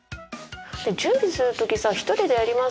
準備する時さ一人でやります？